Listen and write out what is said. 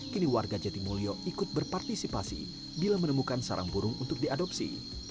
kini warga jatimulyo ikut berpartisipasi bila menemukan sarang burung untuk diadopsi